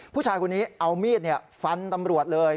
ผู้ชายคนนี้เอามีดฟันตำรวจเลย